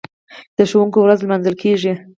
د ښوونکي ورځ لمانځل کیږي.